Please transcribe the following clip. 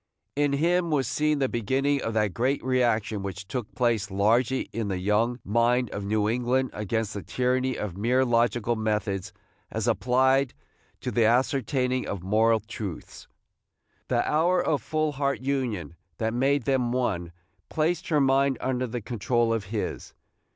In him was seen the beginning of that great reaction which took place largely in the young mind of New England against the tyranny of mere logical methods as applied to the ascertaining of moral truths. The hour of full heart union that made them one placed her mind under the control of his.